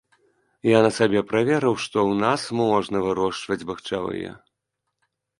Я на сабе праверыў, што ў нас можна вырошчваць бахчавыя.